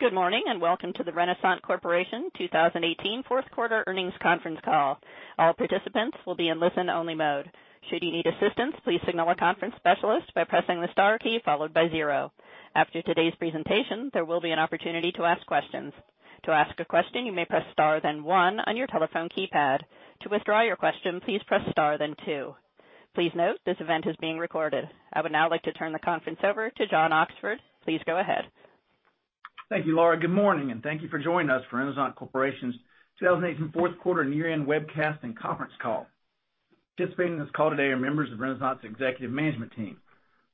Good morning. Welcome to the Renasant Corporation 2018 fourth quarter earnings conference call. All participants will be in listen-only mode. Should you need assistance, please signal a conference specialist by pressing the star key followed by zero. After today's presentation, there will be an opportunity to ask questions. To ask a question, you may press star then one on your telephone keypad. To withdraw your question, please press star then two. Please note this event is being recorded. I would now like to turn the conference over to John Oxford. Please go ahead. Thank you, Laura. Good morning. Thank you for joining us for Renasant Corporation's 2018 fourth quarter year-end webcast and conference call. Participating in this call today are members of Renasant's executive management team.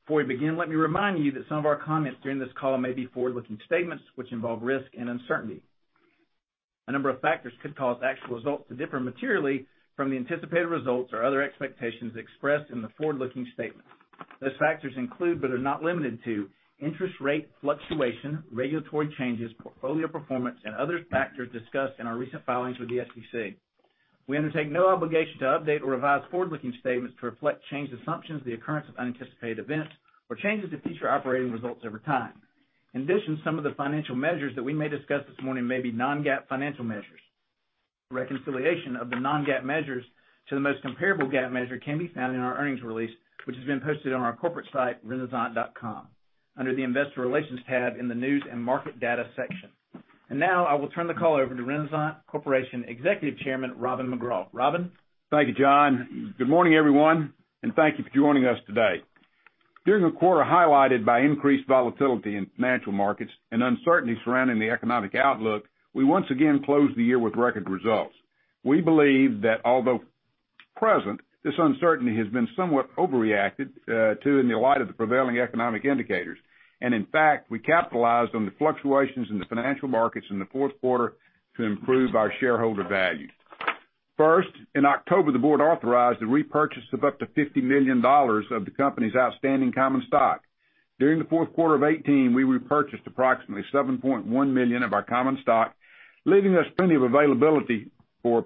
Before we begin, let me remind you that some of our comments during this call may be forward-looking statements, which involve risk and uncertainty. A number of factors could cause actual results to differ materially from the anticipated results or other expectations expressed in the forward-looking statement. Those factors include, but are not limited to interest rate fluctuation, regulatory changes, portfolio performance, and other factors discussed in our recent filings with the SEC. We undertake no obligation to update or revise forward-looking statements to reflect changed assumptions, the occurrence of unanticipated events, or changes to future operating results over time. In addition, some of the financial measures that we may discuss this morning may be non-GAAP financial measures. Reconciliation of the non-GAAP measures to the most comparable GAAP measure can be found in our earnings release, which has been posted on our corporate site, renasant.com, under the Investor Relations tab in the News & Market Data section. Now, I will turn the call over to Renasant Corporation Executive Chairman, Robin McGraw. Robin? Thank you, John. Good morning, everyone. Thank you for joining us today. During a quarter highlighted by increased volatility in financial markets and uncertainty surrounding the economic outlook, we once again closed the year with record results. We believe that although present, this uncertainty has been somewhat overreacted to in the light of the prevailing economic indicators. In fact, we capitalized on the fluctuations in the financial markets in the fourth quarter to improve our shareholder value. First, in October, the board authorized the repurchase of up to $50 million of the company's outstanding common stock. During the fourth quarter of 2018, we repurchased approximately $7.1 million of our common stock, leaving us plenty of availability for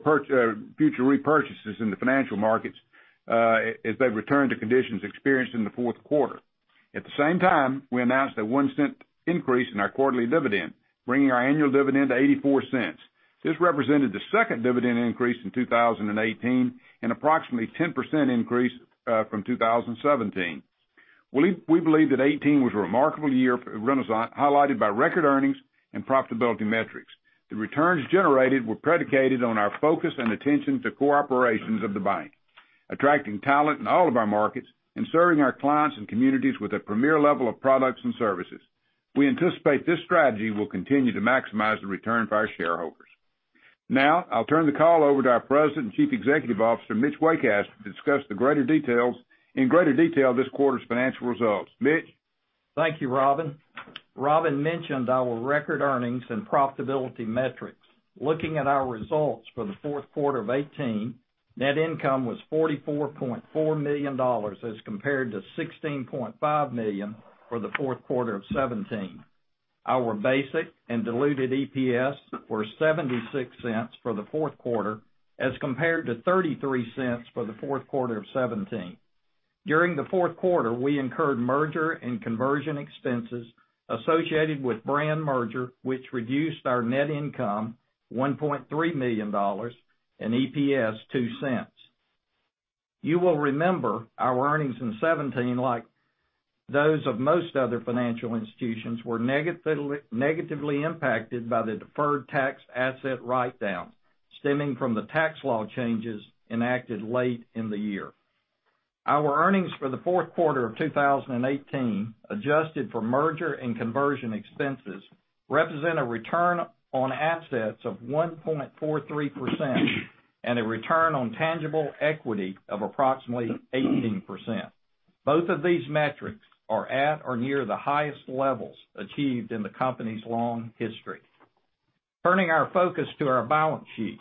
future repurchases in the financial markets, as they return to conditions experienced in the fourth quarter. At the same time, we announced a $0.01 increase in our quarterly dividend, bringing our annual dividend to $0.84. This represented the second dividend increase in 2018 and approximately 10% increase from 2017. We believe that 2018 was a remarkable year for Renasant, highlighted by record earnings and profitability metrics. The returns generated were predicated on our focus and attention to core operations of the bank, attracting talent in all of our markets, and serving our clients and communities with a premier level of products and services. We anticipate this strategy will continue to maximize the return for our shareholders. Now, I'll turn the call over to our President and Chief Executive Officer, Mitch Waycaster, to discuss the greater details, in greater detail this quarter's financial results. Mitch. Thank you, Robin. Robin mentioned our record earnings and profitability metrics. Looking at our results for the fourth quarter of 2018, net income was $44.4 million as compared to $16.5 million for the fourth quarter of 2017. Our basic and diluted EPS were $0.76 for the fourth quarter, as compared to $0.33 for the fourth quarter of 2017. During the fourth quarter, we incurred merger and conversion expenses associated with Brand merger, which reduced our net income $1.3 million, and EPS $0.02. You will remember our earnings in 2017, like those of most other financial institutions, were negatively impacted by the deferred tax asset write-down, stemming from the tax law changes enacted late in the year. Our earnings for the fourth quarter of 2018, adjusted for merger and conversion expenses, represent a return on assets of 1.43%, and a return on tangible equity of approximately 18%. Both of these metrics are at or near the highest levels achieved in the company's long history. Turning our focus to our balance sheet.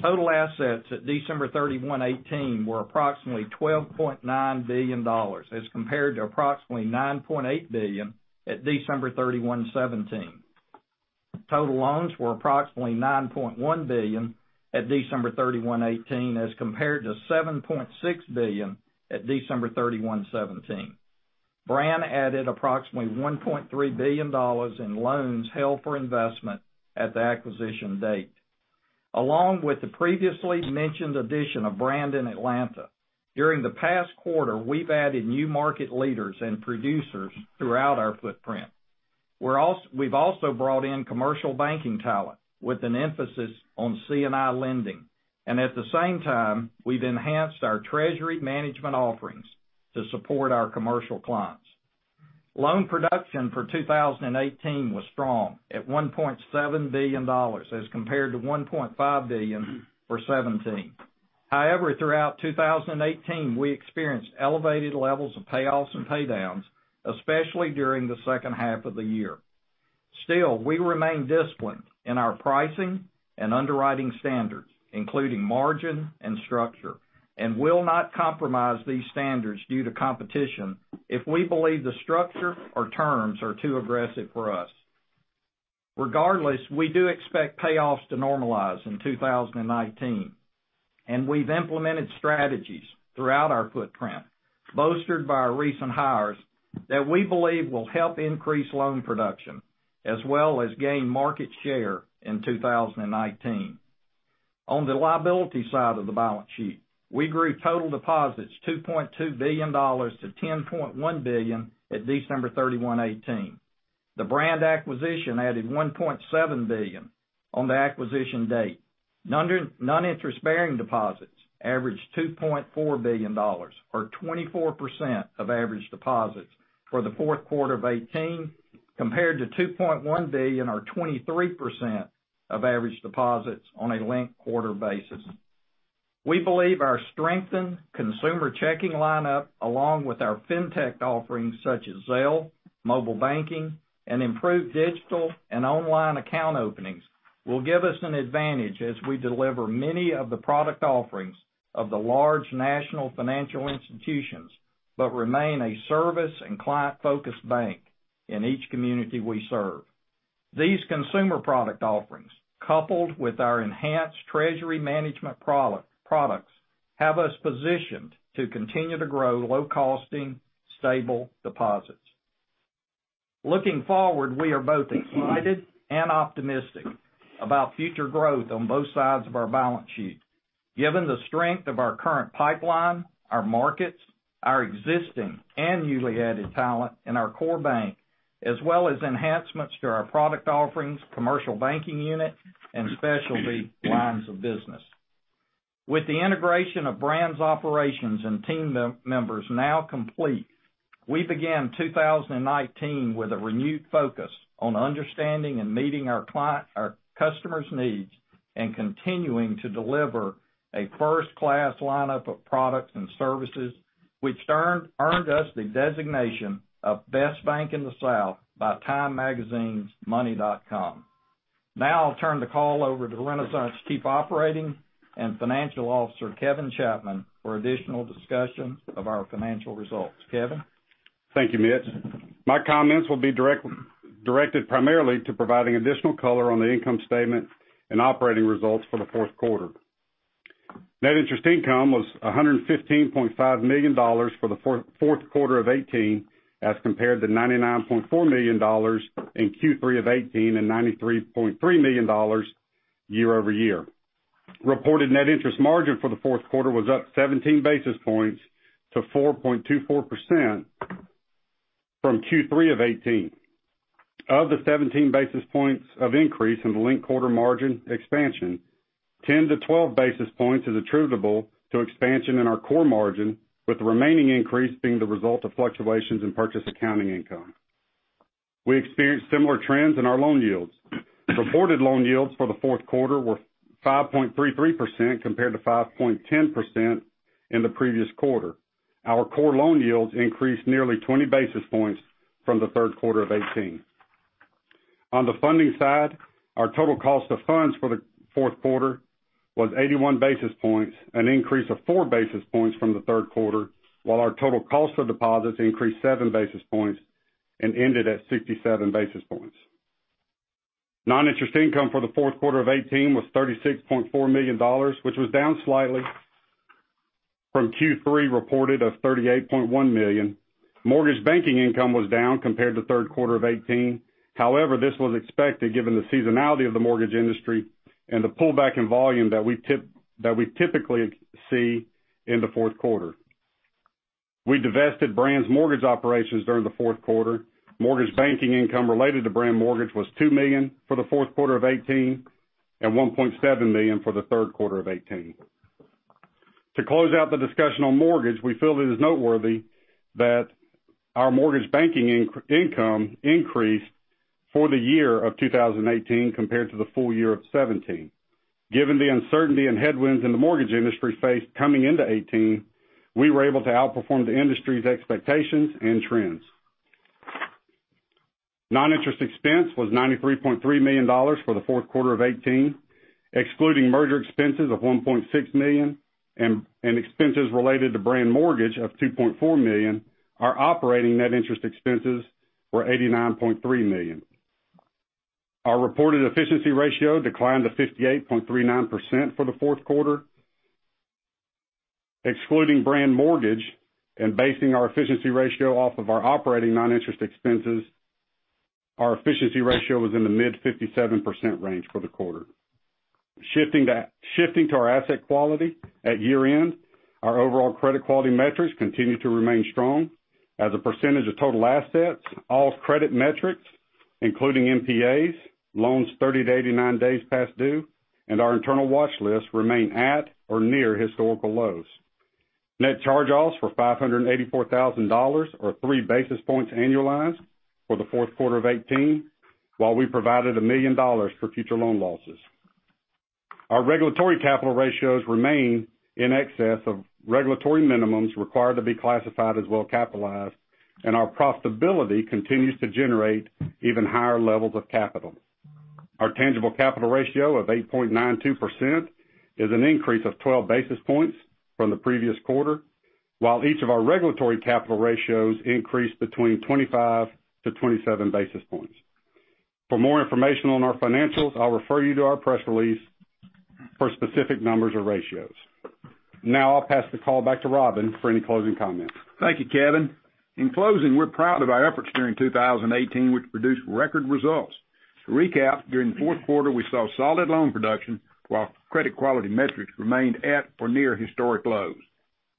Total assets at December 31, 2018 were approximately $12.9 billion, as compared to approximately $9.8 billion at December 31, 2017. Total loans were approximately $9.1 billion at December 31, 2018, as compared to $7.6 billion at December 31, 2017. Brand added approximately $1.3 billion in loans held for investment at the acquisition date. Along with the previously mentioned addition of Brand in Atlanta, during the past quarter, we've added new market leaders and producers throughout our footprint. We've also brought in commercial banking talent, with an emphasis on C&I lending. At the same time, we've enhanced our treasury management offerings to support our commercial clients. Loan production for 2018 was strong, at $1.7 billion, as compared to $1.5 billion for 2017. Throughout 2018, we experienced elevated levels of payoffs and paydowns, especially during the second half of the year. Still, we remain disciplined in our pricing and underwriting standards, including margin and structure, and will not compromise these standards due to competition if we believe the structure or terms are too aggressive for us. Regardless, we do expect payoffs to normalize in 2019. We've implemented strategies throughout our footprint, bolstered by our recent hires, that we believe will help increase loan production as well as gain market share in 2019. On the liability side of the balance sheet, we grew total deposits $2.2 billion to $10.1 billion at December 31, 2018. The Brand acquisition added $1.7 billion on the acquisition date. Non-interest-bearing deposits averaged $2.4 billion, or 24% of average deposits for the fourth quarter of 2018, compared to $2.1 billion or 23% of average deposits on a linked-quarter basis. We believe our strengthened consumer checking lineup, along with our fintech offerings such as Zelle, mobile banking, and improved digital and online account openings will give us an advantage as we deliver many of the product offerings of the large national financial institutions, but remain a service and client-focused bank in each community we serve. These consumer product offerings, coupled with our enhanced treasury management products, have us positioned to continue to grow low-costing, stable deposits. Looking forward, we are both excited and optimistic about future growth on both sides of our balance sheet, given the strength of our current pipeline, our markets, our existing and newly added talent in our core bank, as well as enhancements to our product offerings, commercial banking unit, and specialty lines of business. With the integration of Brand's operations and team members now complete, we began 2019 with a renewed focus on understanding and meeting our customers' needs, and continuing to deliver a first-class lineup of products and services, which earned us the designation of Best Bank in the South by Time Magazine's money.com. I'll turn the call over to Renasant's Chief Operating and Financial Officer, Kevin Chapman, for additional discussion of our financial results. Kevin? Thank you, Mitch. My comments will be directed primarily to providing additional color on the income statement and operating results for the fourth quarter. Net interest income was $115.5 million for the fourth quarter of 2018, as compared to $99.4 million in Q3 of 2018 and $93.3 million year-over-year. Reported net interest margin for the fourth quarter was up 17 basis points to 4.24% from Q3 of 2018. Of the 17 basis points of increase in the linked-quarter margin expansion, 10-12 basis points is attributable to expansion in our core margin, with the remaining increase being the result of fluctuations in purchase accounting income. We experienced similar trends in our loan yields. Reported loan yields for the fourth quarter were 5.33%, compared to 5.10% in the previous quarter. Our core loan yields increased nearly 20 basis points from the third quarter of 2018. On the funding side, our total cost of funds for the fourth quarter was 81 basis points, an increase of four basis points from the third quarter, while our total cost of deposits increased seven basis points and ended at 67 basis points. Non-interest income for the fourth quarter of 2018 was $36.4 million, which was down slightly from Q3 of 2018 reported of $38.1 million. Mortgage banking income was down compared to the third quarter of 2018. This was expected given the seasonality of the mortgage industry and the pullback in volume that we typically see in the fourth quarter. We divested Brand's mortgage operations during the fourth quarter. Mortgage banking income related to Brand Mortgage was $2 million for the fourth quarter of 2018, and $1.7 million for the third quarter of 2018. To close out the discussion on mortgage, we feel it is noteworthy that our mortgage banking income increased for the year of 2018 compared to the full year of 2017. Given the uncertainty and headwinds in the mortgage industry faced coming into 2018, we were able to outperform the industry's expectations and trends. Non-interest expense was $93.3 million for the fourth quarter of 2018, excluding merger expenses of $1.6 million and expenses related to Brand Mortgage of $2.4 million, our operating net interest expenses were $89.3 million. Our reported efficiency ratio declined to 58.39% for the fourth quarter. Excluding Brand Mortgage and basing our efficiency ratio off of our operating non-interest expenses, our efficiency ratio was in the mid-57% range for the quarter. Shifting to our asset quality at year-end, our overall credit quality metrics continue to remain strong. As a percentage of total assets, all credit metrics, including MPAs, loans 30 to 89 days past due, and our internal watch list remain at or near historical lows. Net charge-offs were $584,000, or three basis points annualized for the fourth quarter of 2018, while we provided $1 million for future loan losses. Our regulatory capital ratios remain in excess of regulatory minimums required to be classified as well-capitalized, and our profitability continues to generate even higher levels of capital. Our tangible capital ratio of 8.92% is an increase of 12 basis points from the previous quarter, while each of our regulatory capital ratios increased between 25 to 27 basis points. For more information on our financials, I'll refer you to our press release for specific numbers or ratios. Now I'll pass the call back to Robin for any closing comments. Thank you, Kevin. In closing, we're proud of our efforts during 2018, which produced record results. To recap, during the fourth quarter, we saw solid loan production, while credit quality metrics remained at or near historic lows.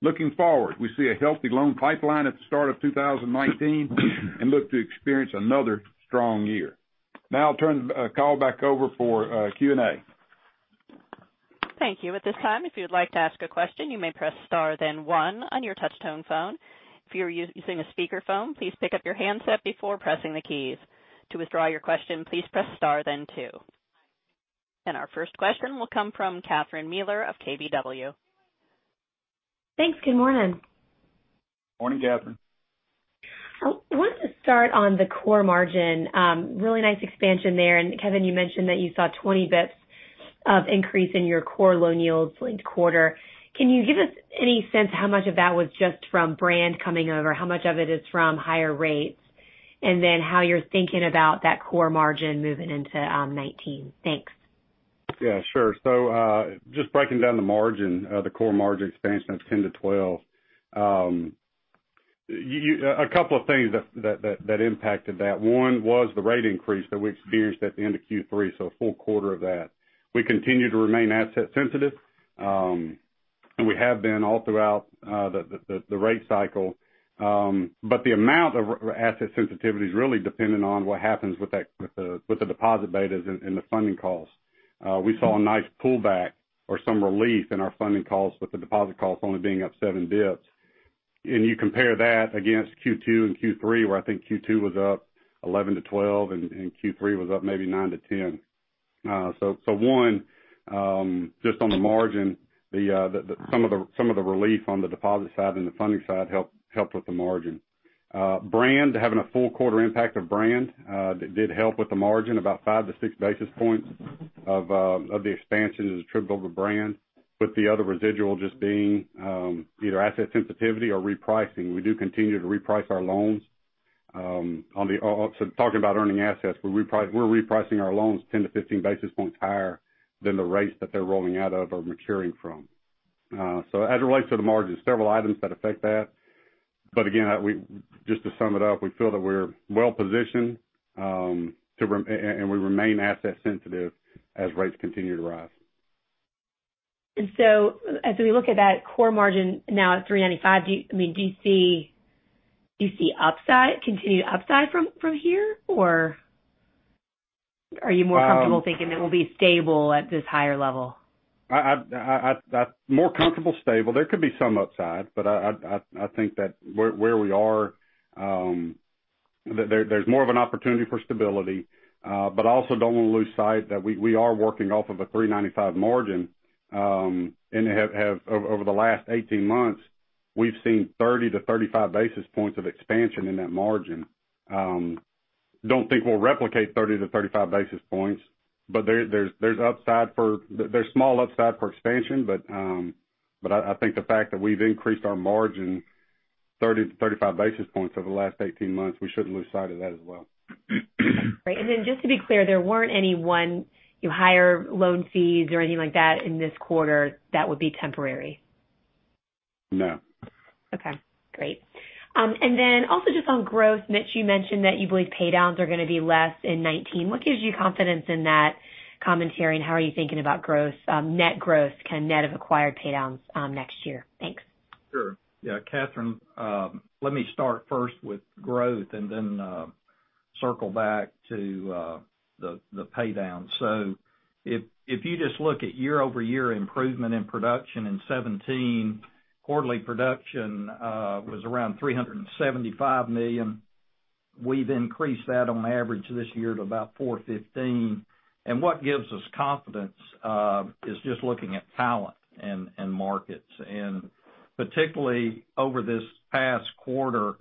Looking forward, we see a healthy loan pipeline at the start of 2019 and look to experience another strong year. Now I'll turn the call back over for Q&A. Thank you. At this time, if you'd like to ask a question, you may press star then one on your touch-tone phone. If you are using a speakerphone, please pick up your handset before pressing the keys. To withdraw your question, please press star then two. Our first question will come from Catherine Mealor of KBW. Thanks. Good morning. Morning, Catherine. I wanted to start on the core margin. Really nice expansion there. Kevin, you mentioned that you saw 20 basis points of increase in your core loan yields linked quarter. Can you give us any sense how much of that was just from Brand coming over, how much of it is from higher rates, and then how you're thinking about that core margin moving into 2019? Thanks. Yeah, sure. Just breaking down the margin, the core margin expansion of 10-12 basis points. A couple of things that impacted that. One was the rate increase that we experienced at the end of Q3, so a full quarter of that. We continue to remain asset sensitive, and we have been all throughout the rate cycle. The amount of asset sensitivity is really dependent on what happens with the deposit betas and the funding costs. We saw a nice pullback or some relief in our funding costs with the deposit costs only being up 7 basis points. You compare that against Q2 and Q3, where I think Q2 was up 11-12 basis points, and Q3 was up maybe 9-10 basis points. One, just on the margin, some of the relief on the deposit side and the funding side helped with the margin. BrandBank, having a full quarter impact of BrandBank, did help with the margin about five to six basis points of the expansion is attributable to BrandBank, with the other residual just being either asset sensitivity or repricing. We do continue to reprice our loans. Talking about earning assets, we're repricing our loans 10 to 15 basis points higher than the rates that they're rolling out of or maturing from. As it relates to the margin, several items that affect that. Again, just to sum it up, we feel that we're well-positioned, and we remain asset sensitive as rates continue to rise. As we look at that core margin now at 395, do you see continued upside from here? Are you more comfortable thinking it will be stable at this higher level? More comfortable stable. There could be some upside, but I think that where we are, there's more of an opportunity for stability. I also don't want to lose sight that we are working off of a 395 margin. Over the last 18 months, we've seen 30 to 35 basis points of expansion in that margin. Don't think we'll replicate 30 to 35 basis points, but there's small upside for expansion, but I think the fact that we've increased our margin 30 to 35 basis points over the last 18 months, we shouldn't lose sight of that as well. Right. Just to be clear, there weren't any one-time higher loan fees or anything like that in this quarter that would be temporary? No. Okay, great. Also just on growth, Mitch, you mentioned that you believe pay downs are going to be less in 2019. What gives you confidence in that commentary, and how are you thinking about net growth, kind of net of acquired pay downs next year? Thanks. Sure. Catherine, let me start first with growth then circle back to the pay down. If you just look at year-over-year improvement in production in 2017, quarterly production was around $375 million. We've increased that on average this year to about $415 million. What gives us confidence is just looking at talent and markets. Particularly over this past quarter,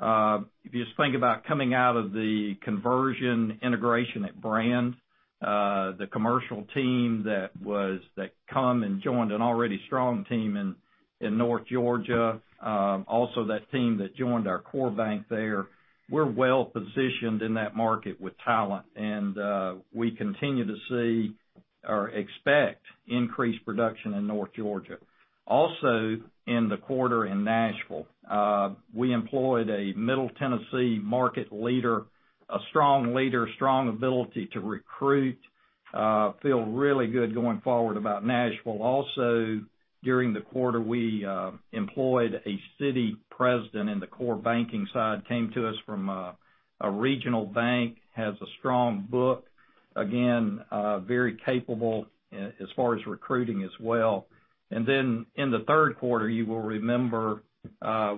if you just think about coming out of the conversion integration at BrandBank, the commercial team that come and joined an already strong team in North Georgia, also that team that joined our core bank there, we're well-positioned in that market with talent, and we continue to see or expect increased production in North Georgia. In the quarter in Nashville, we employed a Middle Tennessee market leader, a strong leader, strong ability to recruit, feel really good going forward about Nashville. During the quarter, we employed a city president in the core banking side, came to us from a regional bank, has a strong book. Again, very capable as far as recruiting as well. In the third quarter, you will remember,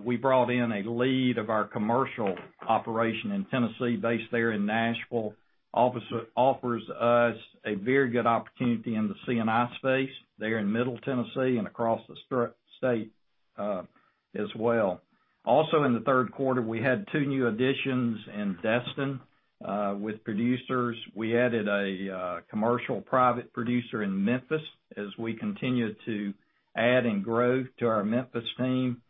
we brought in a lead of our commercial operation in Tennessee based there in Nashville. Offers us a very good opportunity in the C&I space there in Middle Tennessee and across the state as well. In the third quarter, we had two new additions in Destin with producers. We added a commercial private producer in Memphis as we continue to add and grow to our Memphis team.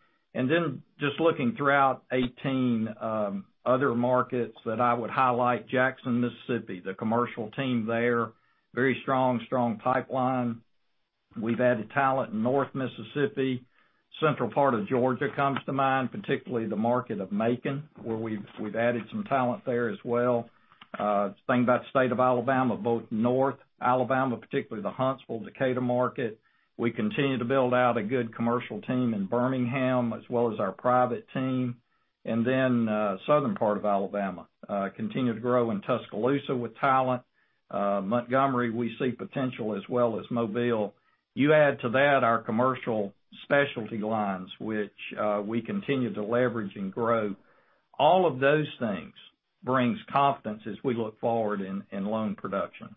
Just looking throughout 2018, other markets that I would highlight, Jackson, Mississippi, the commercial team there, very strong pipeline. We've added talent in North Mississippi, Central Georgia comes to mind, particularly the market of Macon, where we've added some talent there as well. Same about the state of Alabama, both North Alabama, particularly the Huntsville, Decatur market. We continue to build out a good commercial team in Birmingham, as well as our private team. Southern Alabama. Continue to grow in Tuscaloosa with talent. Montgomery, we see potential as well as Mobile. You add to that our commercial specialty lines, which we continue to leverage and grow. All of those things brings confidence as we look forward in loan production.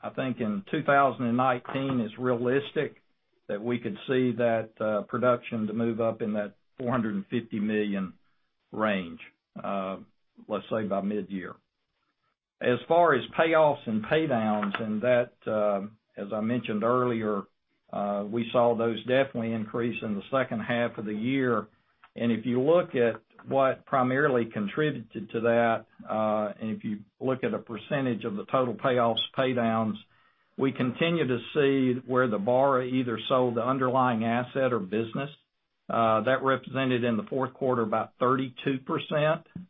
I think in 2019, it's realistic that we could see that production to move up in that $450 million range, let's say by mid-year. As far as payoffs and pay downs, and that, as I mentioned earlier, we saw those definitely increase in the second half of the year. If you look at what primarily contributed to that, and if you look at a percentage of the total payoffs, pay downs, we continue to see where the borrower either sold the underlying asset or business. That represented in the fourth quarter about 32%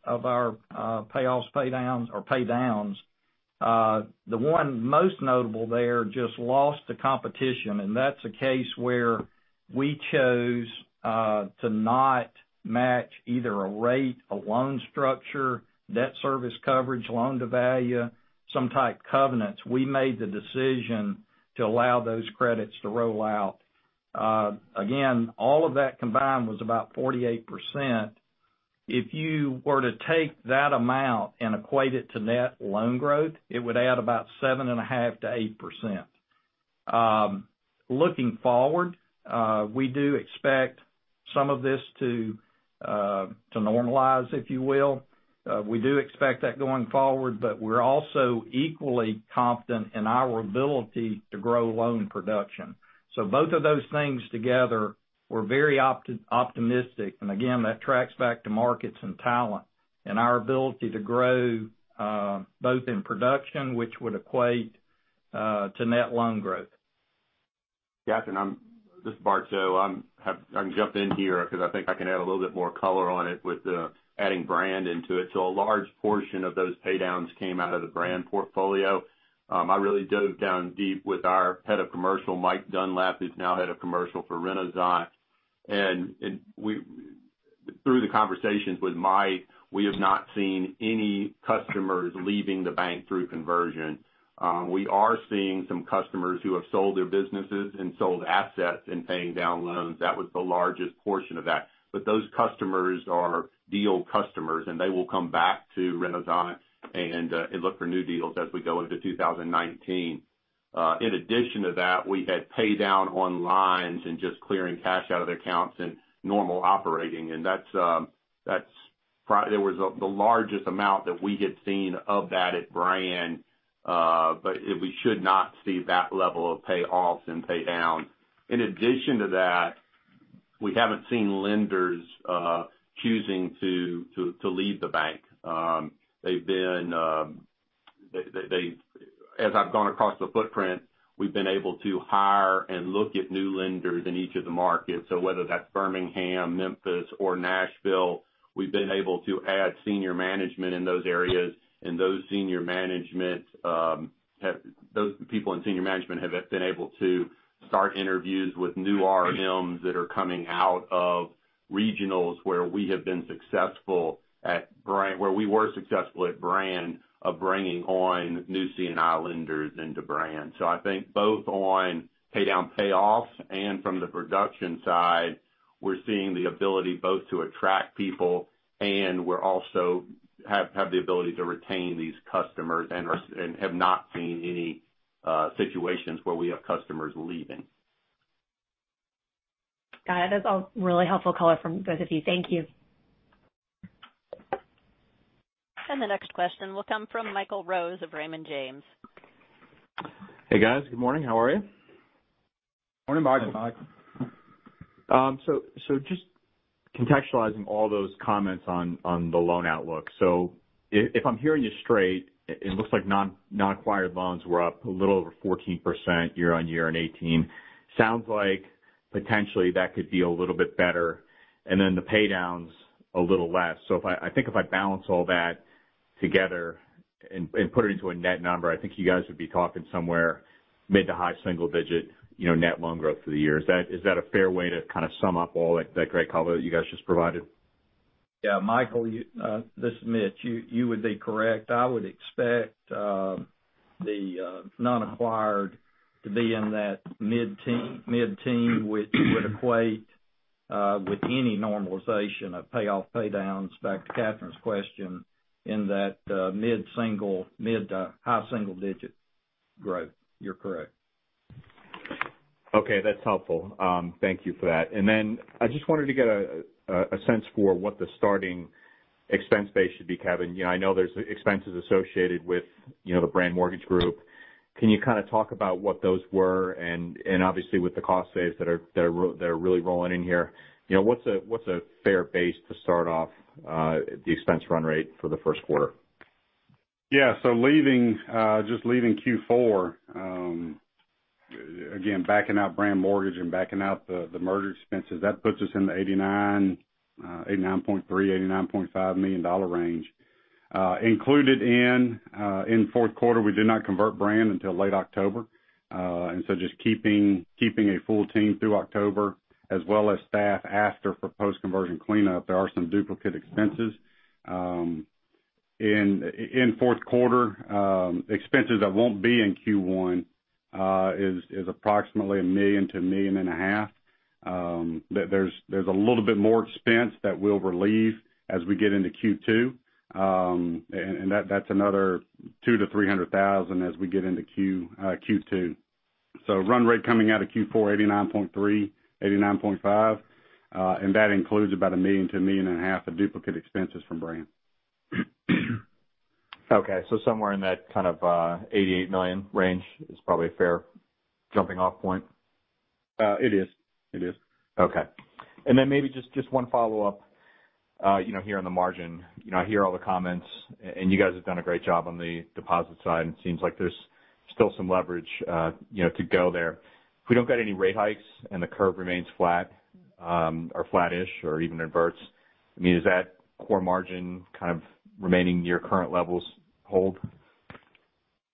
of our payoffs, pay downs or pay downs. The one most notable there just lost to competition, and that's a case where we chose to not match either a rate, a loan structure, debt service coverage, loan to value, some type covenants. We made the decision to allow those credits to roll out. Again, all of that combined was about 48%. If you were to take that amount and equate it to net loan growth, it would add about 7.5%-8%. Looking forward, we do expect some of this to normalize, if you will. We do expect that going forward, we're also equally confident in our ability to grow loan production. Both of those things together, we're very optimistic, and again, that tracks back to markets and talent and our ability to grow both in production, which would equate to net loan growth. Catherine, this is Bart. I can jump in here because I think I can add a little bit more color on it with the adding BrandBank into it. A large portion of those pay downs came out of the BrandBank portfolio. I really dove down deep with our head of commercial, Mike Dunlap, who's now head of commercial for Renasant. Through the conversations with Mike, we have not seen any customers leaving the bank through conversion. We are seeing some customers who have sold their businesses and sold assets and paying down loans. That was the largest portion of that. Those customers are deal customers, and they will come back to Renasant and look for new deals as we go into 2019. In addition to that, we had pay down on lines and just clearing cash out of the accounts and normal operating. There was the largest amount that we had seen of that at BrandBank, we should not see that level of payoffs and pay downs. In addition to that, we haven't seen lenders choosing to leave the bank. As I've gone across the footprint, we've been able to hire and look at new lenders in each of the markets. Whether that's Birmingham, Memphis, or Nashville, we've been able to add senior management in those areas. Those people in senior management have been able to start interviews with new RMs that are coming out of regionals where we were successful at BrandBank of bringing on new C&I lenders into BrandBank. I think both on pay down payoffs and from the production side, we're seeing the ability both to attract people, and we also have the ability to retain these customers and have not seen any situations where we have customers leaving. Got it. That's all really helpful color from both of you. Thank you. The next question will come from Michael Rose of Raymond James. Hey, guys. Good morning. How are you? Morning, Mike. Morning, Mike. Just contextualizing all those comments on the loan outlook. If I'm hearing you straight, it looks like non-acquired loans were up a little over 14% year-on-year in 2018. Sounds like potentially that could be a little bit better, and then the pay downs a little less. I think if I balance all that together and put it into a net number, I think you guys would be talking somewhere mid to high single digit net loan growth for the year. Is that a fair way to kind of sum up all that great color that you guys just provided? Yeah, Michael, this is Mitch. You would be correct. I would expect the non-acquired to be in that mid-teen, which would equate with any normalization of payoff, pay downs, back to Catherine's question, in that mid to high single digit growth. You're correct. Okay, that's helpful. Thank you for that. I just wanted to get a sense for what the starting expense base should be, Kevin. I know there's expenses associated with the Brand Mortgage Group. Can you kind of talk about what those were? Obviously with the cost saves that are really rolling in here, what's a fair base to start off the expense run rate for the first quarter? Yeah. Just leaving Q4, again, backing out Brand Mortgage and backing out the merger expenses, that puts us in the $89.3 million-$89.5 million range. Included in fourth quarter, we did not convert Brand until late October. Just keeping a full team through October as well as staff after for post-conversion cleanup, there are some duplicate expenses. In fourth quarter, expenses that won't be in Q1 is approximately $1 million-$1.5 million. There's a little bit more expense that we'll relieve as we get into Q2, and that's another $200,000-$300,000 as we get into Q2. Run rate coming out of Q4, $89.3 million-$89.5 million, and that includes about $1 million-$1.5 million of duplicate expenses from Brand. Okay, somewhere in that kind of $88 million range is probably a fair jumping-off point. It is. It is. Okay. Maybe just one follow-up here on the margin. I hear all the comments, and you guys have done a great job on the deposit side, and it seems like there's still some leverage to go there. If we don't get any rate hikes and the curve remains flat, or flat-ish, or even inverts, does that core margin kind of remaining near current levels hold?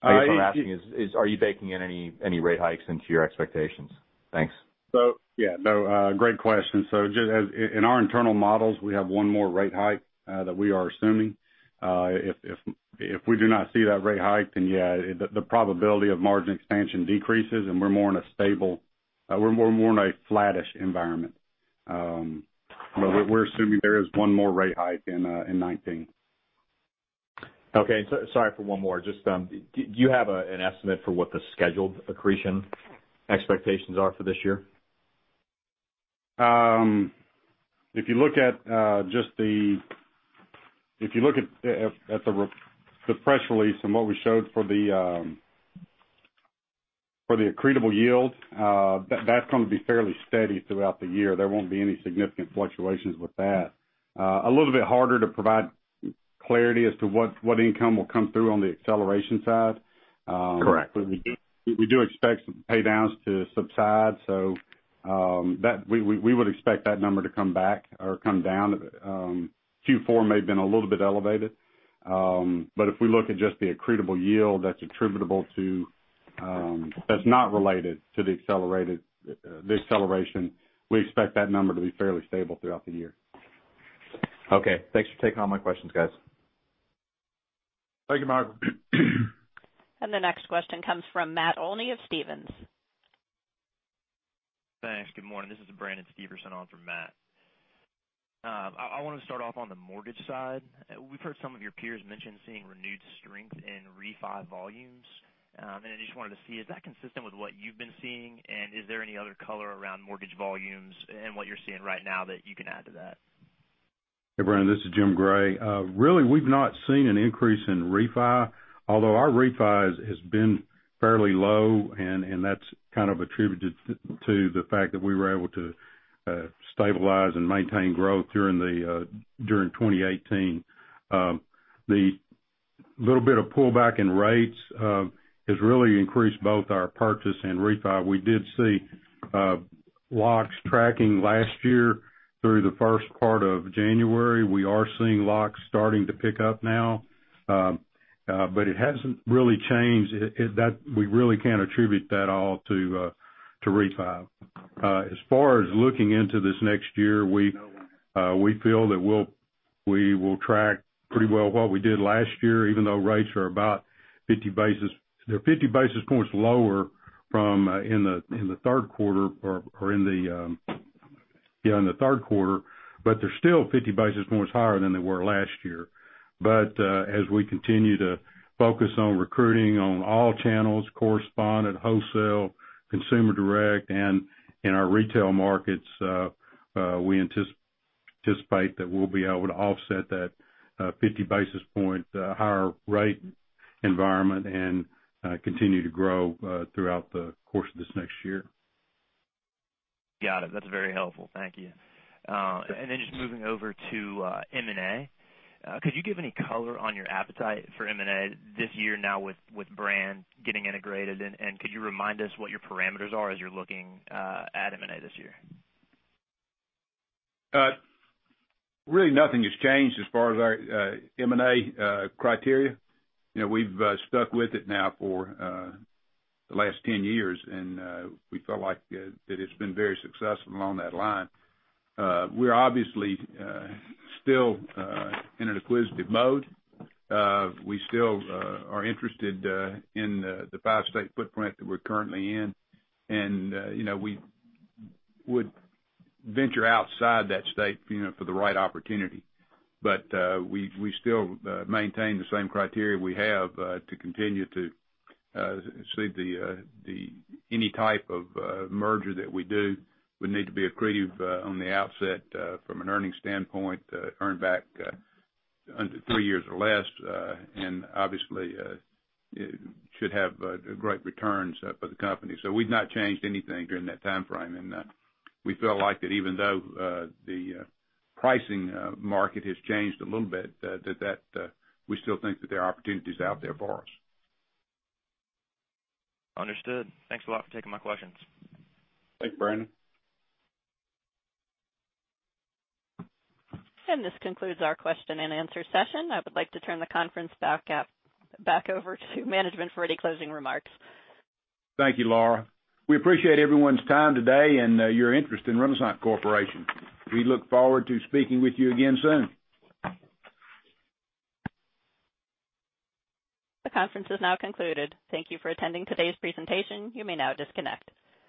I guess- What I'm asking is, are you baking in any rate hikes into your expectations? Thanks. Yeah. No, great question. Just as in our internal models, we have one more rate hike that we are assuming. If we do not see that rate hike, then yeah, the probability of margin expansion decreases, and we're more in a flattish environment. We're assuming there is one more rate hike in 2019. Okay. Sorry for one more. Do you have an estimate for what the scheduled accretion expectations are for this year? If you look at the press release and what we showed for the accretable yield, that's going to be fairly steady throughout the year. There won't be any significant fluctuations with that. A little bit harder to provide clarity as to what income will come through on the acceleration side. Correct. We do expect some pay-downs to subside, we would expect that number to come back or come down. Q4 may have been a little bit elevated. If we look at just the accretable yield that's not related to the acceleration, we expect that number to be fairly stable throughout the year. Okay. Thanks for taking all my questions, guys. Thank you, Mike. The next question comes from Matt Olney of Stephens. Thanks. Good morning. This is Brant Silverstone on from Matt. I wanted to start off on the mortgage side. We've heard some of your peers mention seeing renewed strength in refi volumes. I just wanted to see, is that consistent with what you've been seeing? Is there any other color around mortgage volumes and what you're seeing right now that you can add to that? Hey, Brandon, this is Jim Gray. Really, we've not seen an increase in refi, although our refi has been fairly low, and that's kind of attributed to the fact that we were able to stabilize and maintain growth during 2018. The little bit of pullback in rates has really increased both our purchase and refi. We did see locks tracking last year through the first part of January. We are seeing locks starting to pick up now. It hasn't really changed. We really can't attribute that all to refi. As far as looking into this next year, we feel that we will track pretty well what we did last year, even though rates are about 50 basis points lower in the third quarter, but they're still 50 basis points higher than they were last year. As we continue to focus on recruiting on all channels, correspondent, wholesale, consumer direct, and in our retail markets, we anticipate that we'll be able to offset that 50 basis points higher rate environment and continue to grow throughout the course of this next year. Got it. That's very helpful. Thank you. Then just moving over to M&A. Could you give any color on your appetite for M&A this year now with Brand getting integrated? Could you remind us what your parameters are as you're looking at M&A this year? Really nothing has changed as far as our M&A criteria. We've stuck with it now for the last 10 years, and we feel like that it's been very successful along that line. We're obviously still in an acquisitive mode. We still are interested in the five-state footprint that we're currently in. We would venture outside that state for the right opportunity. We still maintain the same criteria we have to continue to see any type of merger that we do would need to be accretive on the outset from an earnings standpoint, earn back three years or less, and obviously, it should have great returns for the company. We've not changed anything during that timeframe, and we feel like that even though the pricing market has changed a little bit, that we still think that there are opportunities out there for us. Understood. Thanks a lot for taking my questions. Thanks, Brandon. This concludes our question and answer session. I would like to turn the conference back over to management for any closing remarks. Thank you, Laura. We appreciate everyone's time today and your interest in Renasant Corporation. We look forward to speaking with you again soon. The conference has now concluded. Thank you for attending today's presentation. You may now disconnect.